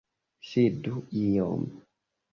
Sidu iom!